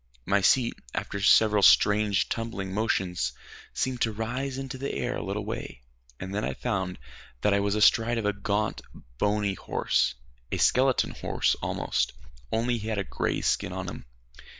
My seat, after several strange tumbling motions, seemed to rise into the air a little way, and then I found that I was astride of a gaunt, bony horse a skeleton horse almost, only he had a gray skin on him.